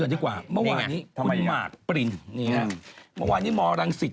หัวมันเริ่มหัว